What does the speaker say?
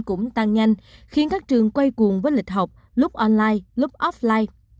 cũng tăng nhanh khiến các trường quay cuồng với lịch học lúc online lúc offline